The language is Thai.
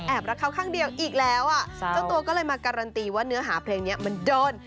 รักเขาข้างเดียวอีกแล้วอ่ะเจ้าตัวก็เลยมาการันตีว่าเนื้อหาเพลงนี้มันโดน